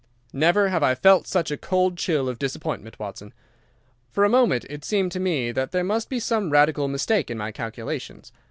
"Never have I felt such a cold chill of disappointment, Watson. For a moment it seemed to me that there must be some radical mistake in my calculations.